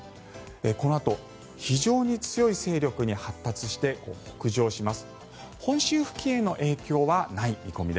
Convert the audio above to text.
このあと非常に強い勢力に発達して北上します。